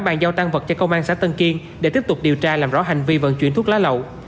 bàn giao tăng vật cho công an xã tân kiên để tiếp tục điều tra làm rõ hành vi vận chuyển thuốc lá lậu